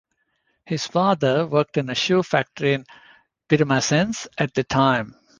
His father worked in a shoe factory in Pirmasens at the time.